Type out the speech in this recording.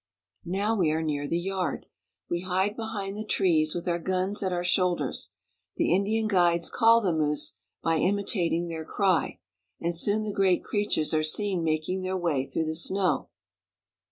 Now we are near the yard. We hide behind the trees, with our guns at our shoulders. The Indian guides call the moose by imitating their cry, and soon the great creatures are seen making their way through the snow.